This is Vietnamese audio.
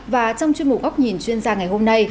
và trong chuyên mục góc nhìn chuyên gia ngày hôm nay